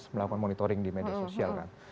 melakukan monitoring di media sosial kan